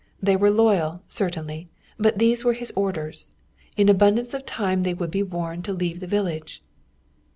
They were loyal, certainly, but these were his orders. In abundance of time they would be warned to leave the village.